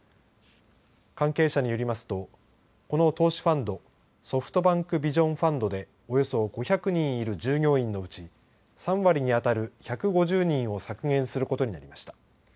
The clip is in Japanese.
関係者によりますとこの投資ファンドソフトバンク・ビジョン・ファンドでおよそ５００人いる従業員のうち３割に当たる１５０人を削減することになりました。